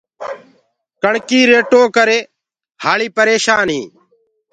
ڪڻڪي ريٽو ڪري هآري پرشآن هينٚ۔